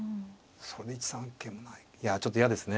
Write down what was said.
それで１三桂もないいやちょっと嫌ですね。